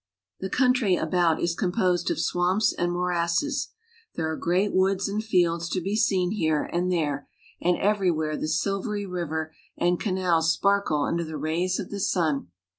The country about is composed of swamps and morasses. There are green woods and fields to be seen here and there, and everywhere the silvery river and canals sparkle under the rays of the sun.